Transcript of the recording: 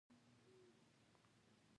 دماغ د برېښنا په څېر سیګنالونه لېږدوي.